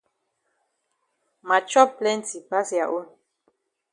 Ma chop plenti pass ya own.